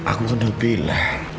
aku kena bilang